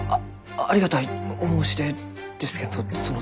ありがたいお申し出ですけんどその。